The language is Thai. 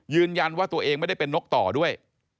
ยืนยันว่าตัวเองไม่ได้เป็นนกต่อด้วย